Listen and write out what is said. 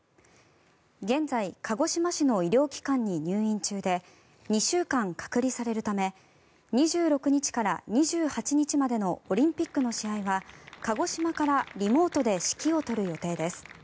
現在、鹿児島市の医療機関に入院中で２週間隔離されるため２６日から２８日までのオリンピックの試合は鹿児島からリモートで指揮を執る予定です。